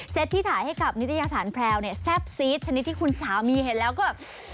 ที่ถ่ายให้กับนิตยสารแพรวเนี่ยแซ่บซีดชนิดที่คุณสามีเห็นแล้วก็